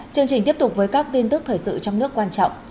chương trình tiếp tục với các tin tức thời sự trong nước quan trọng